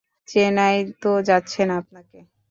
চেনাই তো যাচ্ছেনা আপনাকে!